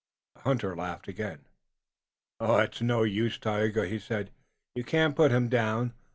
The hunter laughed again. "It's no use, Tayoga," he said. "You can't put him down.